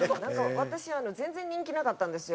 私全然人気なかったんですよ。